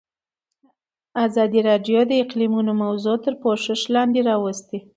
ازادي راډیو د اقلیتونه موضوع تر پوښښ لاندې راوستې.